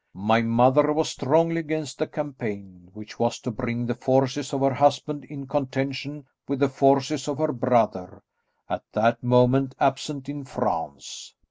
My mother was strongly against the campaign, which was to bring the forces of her husband in contention with the forces of her brother, at that moment absent in France.